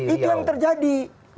itu yang terjadi